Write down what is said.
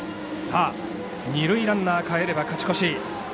二塁ランナーかえれば勝ち越し。